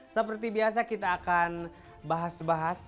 seperti biasa kita akan bahas bahas